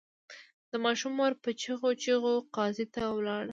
د ماشوم مور په چیغو چیغو قاضي ته ولاړه.